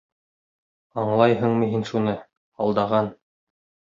Аңлайһыңмы һин шуны -алдаған!